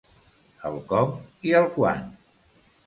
El com i el quan.